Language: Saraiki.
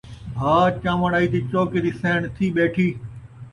بھاء چاوݨ آئی تے چوکے دی سئیݨ تھی ٻیٹھی